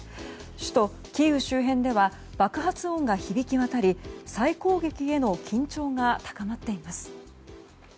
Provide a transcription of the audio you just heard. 首都キーウ周辺では爆発音が響き渡り、再攻撃への緊張が高まっています。